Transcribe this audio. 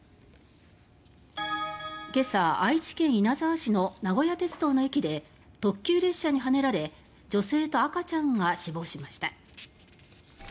今朝、愛知県稲沢市の名古屋鉄道の駅で特急列車にはねられ女性と赤ちゃんが死亡しました。